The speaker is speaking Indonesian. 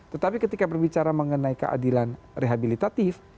tetapi ketika berbicara mengenai keadilan rehabilitatif